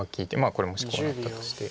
これもしこうなったとして。